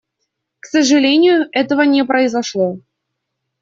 К сожалению, этого не произошло.